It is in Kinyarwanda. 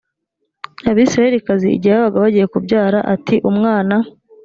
abisirayelikazi igihe babaga bagiye kubyara ati umwana